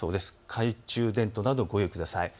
懐中電灯などご用意ください。